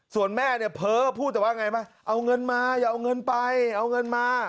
ส่วนแม่เนี่ยเพ้อพูดแต่ว่าไงมาเอาเงินมาอย่าเอาเงินไปเอาเงินมา